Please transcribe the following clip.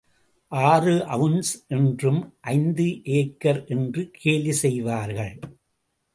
ஆறு அவுன்ஸ் என்றும் ஐந்து ஏக்கர் என்று கேலி செய்வார்கள்.